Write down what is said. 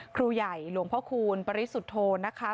ครูใหญ่หลวงพ่อคูณปริสุทธโธนะคะ